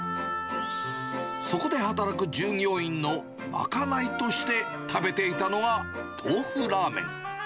そこで働く従業員のまかないとして食べていたのがトーフラーメン。